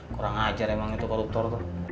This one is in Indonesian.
kurang ajar emang itu koruptor tuh